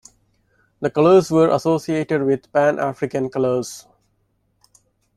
The colours were associated with Pan-African colours.